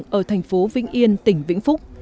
ông cương ở thành phố vĩnh yên tỉnh vĩnh phúc